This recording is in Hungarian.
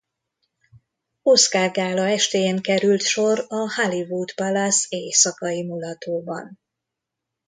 Oscar-gála estéjén került sor a Hollywood Palace éjszakai mulatóban.